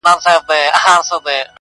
هغه اوس اوړي غرونه غرونه پـــرېږدي.